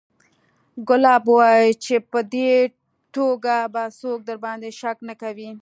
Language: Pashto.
ګلاب وويل چې په دې توګه به څوک درباندې شک نه کوي.